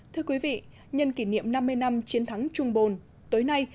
thưa quý vị nhân kỷ niệm năm mươi năm chiến thắng trung bồn tối nay